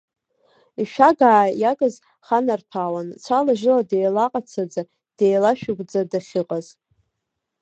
Ишәагаа иагыз ханарҭәаауан, цәала-жьыла деилаҟацаӡа, деилашәыгәӡа дахьыҟаз.